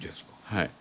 はい。